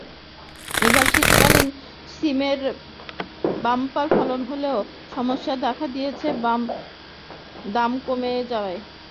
এবার শীতকালীন শিমের বাম্পার ফলন হলেও সমস্যা দেখা দিয়েছে দাম কমে যাওয়ায়।